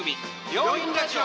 「病院ラジオ」。